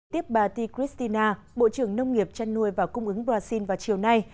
tiếp bà t christina bộ trưởng nông nghiệp chăn nuôi và cung ứng brazil vào chiều nay